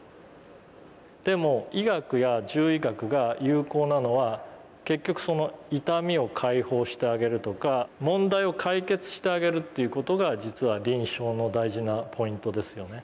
でも医学や獣医学が有効なのは結局その痛みを解放してあげるとか問題を解決してあげるっていう事が実は臨床の大事なポイントですよね。